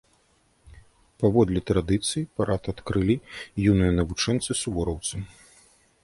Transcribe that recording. Паводле традыцыі, парад адкрылі юныя навучэнцы-сувораўцы.